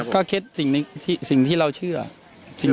การแก้เคล็ดบางอย่างแค่นั้นเอง